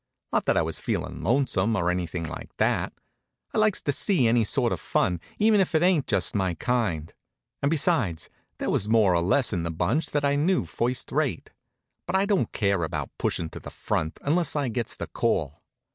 Not that I was feelin' lonesome, or anything like that. I likes to see any sort of fun, even if it ain't just my kind. And besides, there was more or less in the bunch that I knew first rate. But I don't care about pushin' to the front until I gets the call.